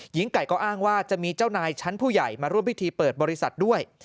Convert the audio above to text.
หญิงไก่ก็อ้างว่าจะมีเจ้านายชั้นผู้ใหญ่มาร่วมพิธีเปิดบริษัทด้วย